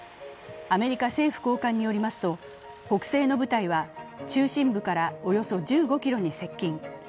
アメリカ政府高官によりますと北西の部隊は中心部からおよそ１５ｋｍに接近。